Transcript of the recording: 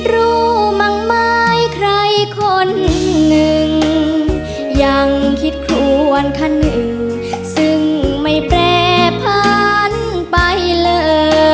รู้มั่งไม้ใครคนหนึ่งยังคิดควรค่ะหนึ่งซึ่งไม่แปรผันไปเลย